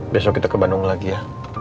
besok kita ke bandung lagi ya